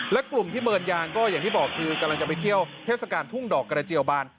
และกลุ่มที่เบิร์นยางก็อย่างที่บอกคือกำลังจะไปเที่ยวเทศกาลทุ่งดอกกระเจียวบาน